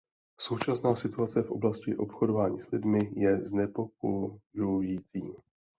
Současná situace v oblasti obchodování s lidmi je znepokojující.